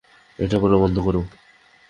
এটা বলা বন্ধ করো!